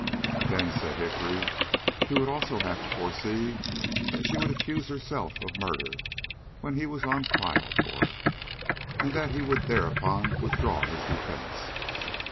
"Then," said Hickory, "he would also have to foresee that she would accuse herself of murder when he was on trial for it, and that he would thereupon withdraw his defence.